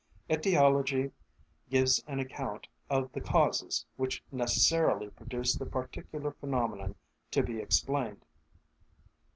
Etiology gives an account of the causes which necessarily produce the particular phenomenon to be explained.